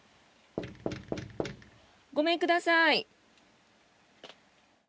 ごめんください。